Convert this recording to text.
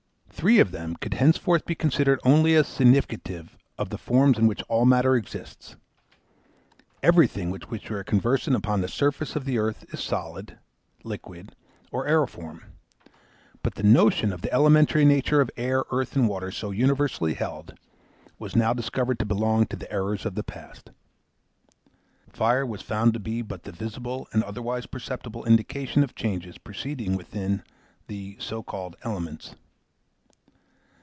Three of them could henceforth be considered only as significative of the forms in which all matter exists. Everything with which we are conversant upon the surface of the earth is solid, liquid, or aeriform; but the notion of the elementary nature of air, earth, and water, so universally held, was now discovered to belong to the errors of the past. Fire was found to be but the visible and otherwise perceptible indication of changes proceeding within the, so called, elements.